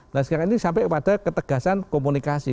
nah sekarang ini sampai kepada ketegasan komunikasi